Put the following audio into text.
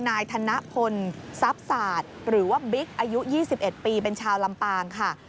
นางก็คือนายธนพลซับซาดหรือว่าบิ๊กอายุ๒๑ปีเป็นชาวลำปางค่ะ